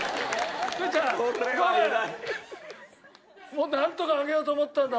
もうなんとか上げようと思ったんだ